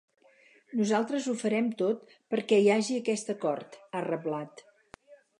Nosaltres ho farem tot perquè hi hagi aquest acord, ha reblat.